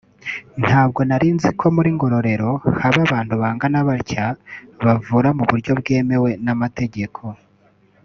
ntabwo narinzi ko muri Ngororero haba abantu bangana batya bavura mu buryo bwemewe n’amategeko